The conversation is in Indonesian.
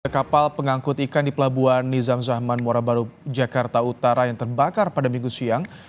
kapal pengangkut ikan di pelabuhan nizam zahman muara baru jakarta utara yang terbakar pada minggu siang